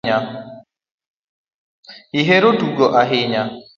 Ihero tugo ahinya